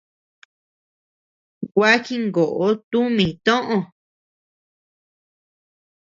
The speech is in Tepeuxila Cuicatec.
Gua jingoʼo tumi toʼö.